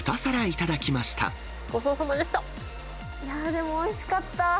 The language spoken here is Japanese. いやぁ、でもおいしかった。